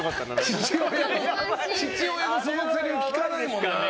父親のそのせりふ聞かないもんな。